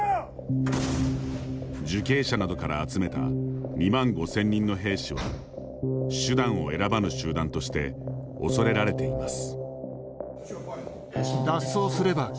受刑者などから集めた２万５０００人の兵士は手段を選ばぬ集団として恐れられています。